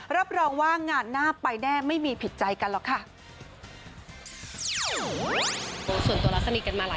รับรองว่างานหน้าไปแน่ไม่มีผิดใจกันหรอกค่ะ